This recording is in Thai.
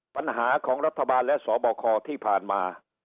ปัญหาของรัฐบาลและสบคที่ผ่านมา